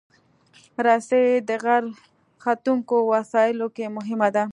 رسۍ د غر ختونکو وسایلو کې مهمه ده.